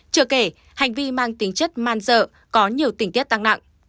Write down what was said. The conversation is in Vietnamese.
chưa kể hành vi mang tính chất man dợ có nhiều tình tiết tăng nặng